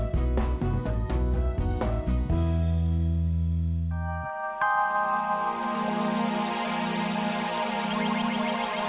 terima kasih tuhan